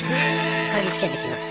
嗅ぎつけてきます。